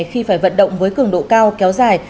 khi phải vận động với cường độ cao kéo dài